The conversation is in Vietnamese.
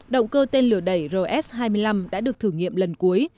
động cơ tên lửa đẩy rs hai mươi năm đã được thử nghiệm lần cuối